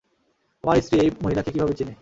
আমার স্ত্রী এই মহিলাকে কীভাবে চিনে?